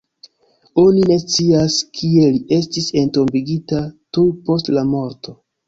Oni ne scias, kie li estis entombigita tuj post la morto.